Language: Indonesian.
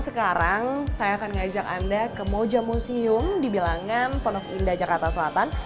sekarang saya akan ngajak anda ke moja museum di bilangan ponok indah jakarta selatan